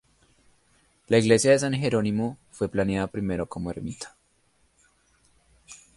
La iglesia de San Jerónimo fue planeada primero como ermita.